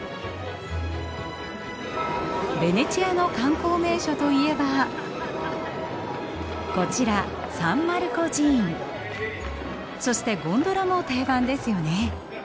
ベネチアの観光名所といえばこちらそしてゴンドラも定番ですよね。